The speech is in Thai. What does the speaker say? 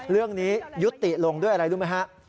เรื่องนี้ยุติลงด้วยอะไรรู้ไหมฮะ